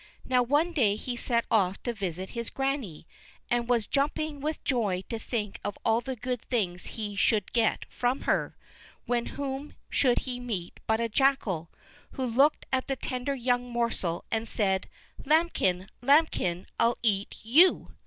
Now one day he set off to visit his granny, and was jumping with joy to think of all the good things he should get from her, when whom should he meet but a jackal, who looked at the tender young morsel and said: "Lambikin! Lambikin! I'll EAT YOU!"